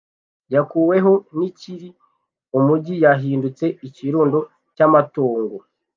yakuweho ntikiri umugi yahindutse ikirundo cy amatongo